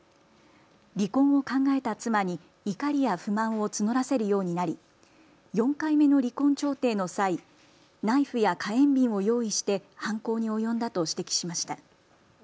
離婚を考えた妻に怒りや不満を募らせるようになり４回目の離婚調停の際、ナイフや火炎瓶を用意して犯行に及んだと指摘しました。